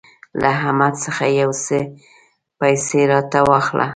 له احمد څخه يو څو پيسې راته واخله.